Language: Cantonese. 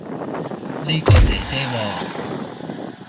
呢個姐姐喎